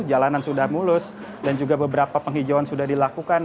jalanan sudah mulus dan juga beberapa penghijauan sudah dilakukan